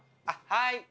あっはい。